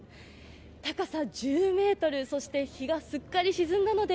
高さ１０ｍ、そして日がすっかり沈んだので